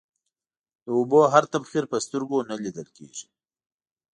د اوبو هر تبخير په سترگو نه ليدل کېږي.